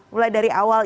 mulai dari awal